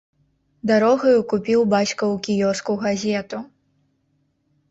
Дарогаю купіў бацька ў кіёску газету.